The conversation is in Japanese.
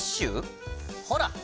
ほら！